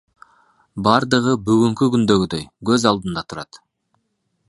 Бардыгы бүгүнкү күндөгүдөй көз алдымда турат.